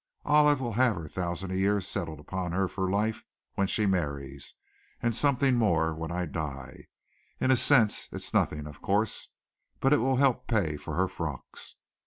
Olive will have her thousand a year settled upon her for life when she marries, and something more when I die. In a sense, it's nothing, of course, but it will help pay for her frocks."